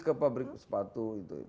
ke pabrik sepatu